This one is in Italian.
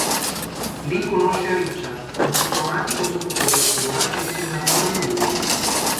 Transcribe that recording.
Lì, conosce Richard, un diplomatico sotto copertura, e si innamora di lui.